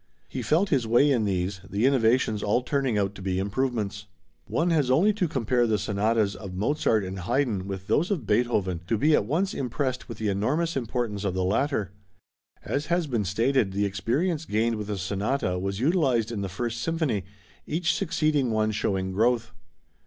He felt his way in these, the innovations all turning out to be improvements. One has only to compare the sonatas of Mozart and Haydn with those of Beethoven to be at once impressed with the enormous importance of the latter. As has been stated, the experience gained with the sonata was utilized in the First Symphony, each succeeding one showing growth.